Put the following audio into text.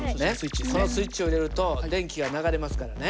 このスイッチを入れると電気が流れますからね。